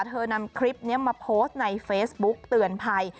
นำคลิปนี้มาโพสต์ในเฟซบุ๊กเตือนภัย